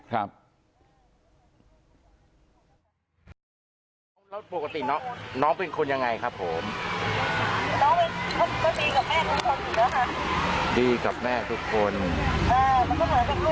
โรงพักษณ์โอเคแล้วแต่ตอนนี้มันก็ยังว่าโรงพักษณ์รุ่นนะคะ